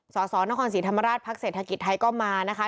สสนครศรีธรรมราชพักเศรษฐกิจไทยก็มานะคะ